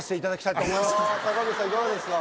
いかがですか？